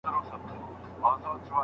خو د لارښود سره اسانه کېږي.